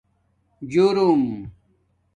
جُرم